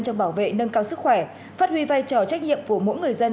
trong bảo vệ nâng cao sức khỏe phát huy vai trò trách nhiệm của mỗi người dân